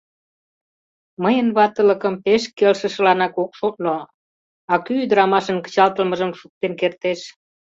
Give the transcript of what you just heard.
Мыйын ватылыкым пеш келшышыланак ок шотло — а кӧ ӱдырамашын кычалтылмыжым шуктен кертеш!